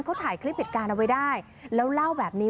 เขาถ่ายคลิปเหตุการณ์เอาไว้ได้